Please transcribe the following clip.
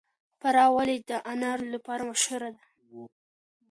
فراه ولې د انارو لپاره مشهوره ده؟